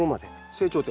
成長点？